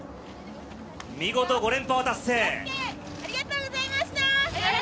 見事５連覇を達成。